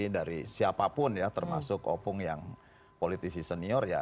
dari siapapun ya termasuk opung yang politisi senior ya